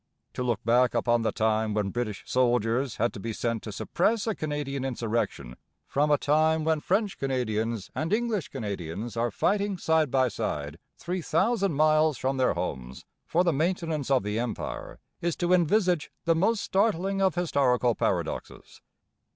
To look back upon the time when British soldiers had to be sent to suppress a Canadian insurrection from a time when French Canadians and English Canadians are fighting side by side three thousand miles from their homes for the maintenance of the Empire is to envisage the most startling of historical paradoxes.